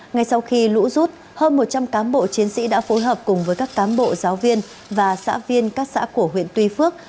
ngay sau khi lũ rút hơn một trăm linh cán bộ chiến sĩ đã phối hợp cùng với các cám bộ giáo viên và xã viên các xã của huyện tuy phước